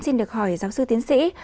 xin được hỏi giáo sư tiến sĩ